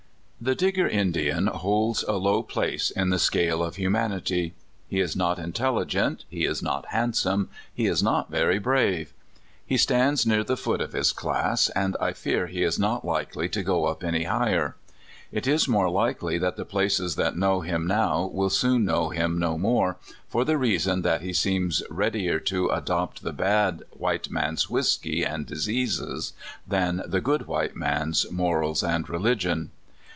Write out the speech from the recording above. THE Digger Indian holds a low place in the scale of humanity. He is not intelligent, he is not handsome, he is not very brave. He stands near the foot of his class, and I fear he is not likely to go up any higher. It is more likely that the places that know him now will soon know him no more, for the reason that he seems readier to adopt the bad white man's whisky and diseases than the good white man's morals and religion.